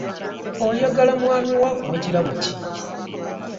Oyagala omwami wo akuwe kirabo ki?